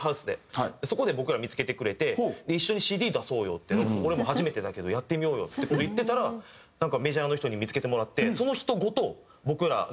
そこで僕らを見付けてくれて「一緒にＣＤ出そうよ」って「俺も初めてだけどやってみようよ」って事言ってたらメジャーの人に見付けてもらってその人ごと僕ら事務所に入ったんですよ。